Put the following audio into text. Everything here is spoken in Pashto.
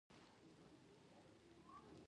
دا د هغه څه برعکس دي چې په مکسیکو کې ولیدل.